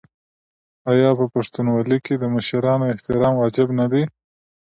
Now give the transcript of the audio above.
آیا په پښتونولۍ کې د مشرانو احترام واجب نه دی؟